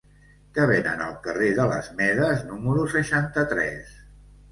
Què venen al carrer de les Medes número seixanta-tres?